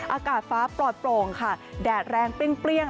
อากาศฟ้าปลอดโปร่งค่ะแดดแรงเปรี้ยง